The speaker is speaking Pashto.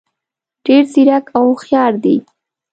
ډېر ځیرک او هوښیار دي.